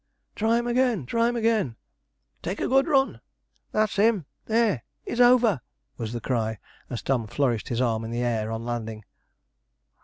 'Try him again try him again take a good run that's him there, he's over!' was the cry, as Tom flourished his arm in the air on landing.